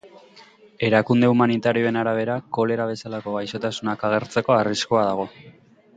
Erakunde humanitarioen arabera, kolera bezalako gaixotasunak agertzeko arriskua dago.